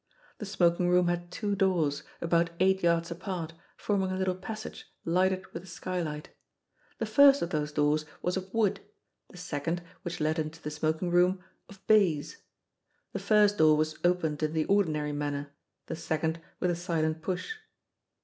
The smoking room had two doors, about eight yards apart, forming a little passage lighted with a skylight. The first of those doors was of wood, the second, which led into the smoking room, of baize. The first door was opened in the ordinary manner, the second with a silent push.